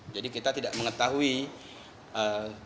jadi kita tidak mengetahui persisnya